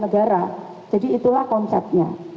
negara jadi itulah konsepnya